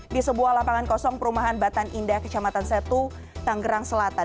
di sebuah lapangan kosong perumahan batan indah kecamatan setu tanggerang selatan